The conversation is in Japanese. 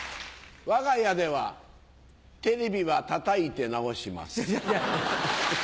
わが家ではテレビはたたいて直します。